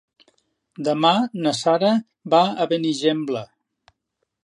Demà na Sara va a Benigembla.